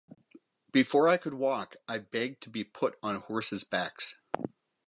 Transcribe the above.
Before I could walk I begged to be put on horses' backs.